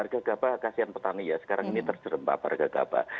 harga gabah kasihan petani ya sekarang ini terserempak harga gabah